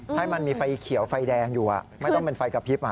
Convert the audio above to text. ให้มันมีไฟเขียวไฟแดงอยู่ไม่ต้องเป็นไฟกระพริบ